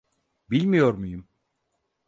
Bilmiyor muyum?